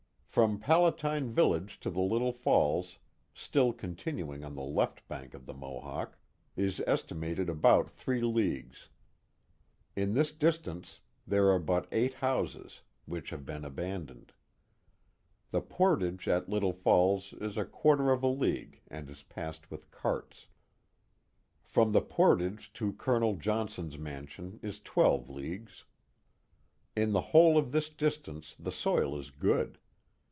From Palatine village to the Little Falls, still continuing on the left bank of the Mohawk, is estimated about three leagues. In this distance, there are but eight houses, which have been abandoned. The portage at Little Falls ts a quar ter of a league and is passed with carts. From the portage to Colonel Johnson's mansion is twelve leagues. In the whole of this distance the soil is good.